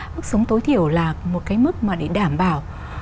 mức sống tối thiểu là một cái mức mà để đảm bảo